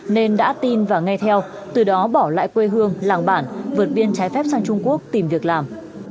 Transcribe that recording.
nên đã tin và nghe theo từ đó bỏ lại quê hương làng bản vượt biên trái phép sang trung quốc tìm việc làm